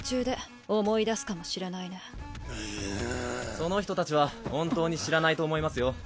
その人たちは本当に知らないと思いますよ。